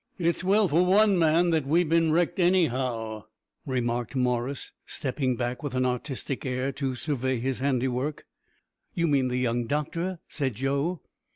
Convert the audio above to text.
"It's well for one man that we've bin wrecked, anyhow," remarked Morris, stepping back with an artistic air to survey his handiwork. "You mean the young doctor," said Joe.